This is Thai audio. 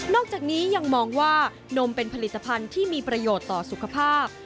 อกจากนี้ยังมองว่านมเป็นผลิตภัณฑ์ที่มีประโยชน์ต่อสุขภาพ